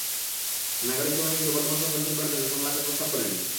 নাগরিক সমাজ শুধু বর্তমান সংকট দূর করার জন্য সংলাপের প্রস্তাব করেনি।